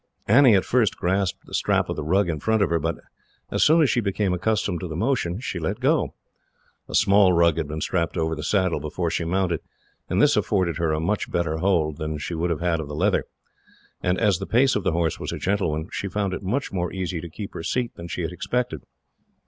Annie at first grasped the strap of the rug in front of her, but as soon as she became accustomed to the motion, she let go. A small rug had been strapped over the saddle, before she mounted, and this afforded her a much better hold than she would have had of the leather; and as the pace of the horse was a gentle one, she found it much more easy to keep her seat than she had expected.